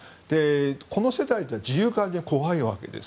この世代というのは自由化が怖いわけです。